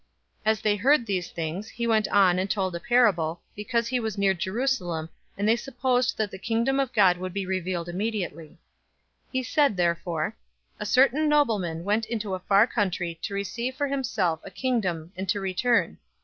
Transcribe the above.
019:011 As they heard these things, he went on and told a parable, because he was near Jerusalem, and they supposed that the Kingdom of God would be revealed immediately. 019:012 He said therefore, "A certain nobleman went into a far country to receive for himself a kingdom, and to return.